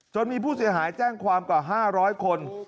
มีผู้เสียหายแจ้งความกว่า๕๐๐คน